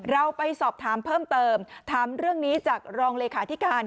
เราไปสอบถามเพิ่มเติมถามเรื่องนี้จากรองเลขาธิการ